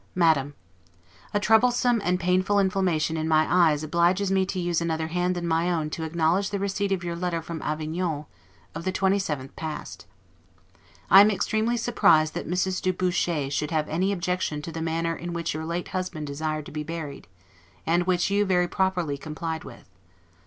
MADAM: A troublesome and painful inflammation in my eyes obliges me to use another hand than my own to acknowledge the receipt of your letter from Avignon, of the 27th past. I am extremely surprised that Mrs. du Bouchet should have any objection to the manner in which your late husband desired to be buried, and which you, very properly, complied with.